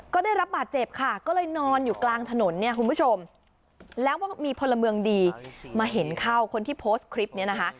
ก็ได้รับบาดเจ็บค่ะก็เลยนอนอยู่กลางถนนเนี่ยคุณผู้ชมแล้วก็มีพลเมืองดีมาเห็นเข้าคนที่โพสต์คลิปนี้นะคะ